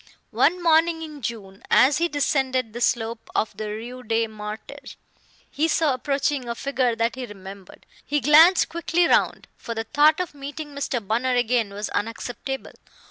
One morning in June, as he descended the slope of the Rue des Martyrs, he saw approaching a figure that he remembered. He glanced quickly round, for the thought of meeting Mr. Bunner again was unacceptable.